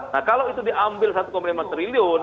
nah kalau itu diambil rp satu lima triliun